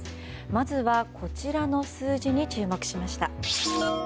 まずはこちらの数字に注目しました。